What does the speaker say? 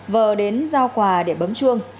vờ đến giao quà để bấm chuông